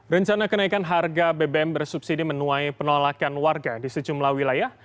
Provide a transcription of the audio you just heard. rencana kenaikan harga bbm bersubsidi menuai penolakan warga di sejumlah wilayah